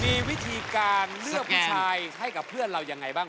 มีวิธีการเลือกผู้ชายให้กับเพื่อนเรายังไงบ้าง